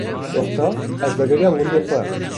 Wexta ez vedigeriyam gundê xwe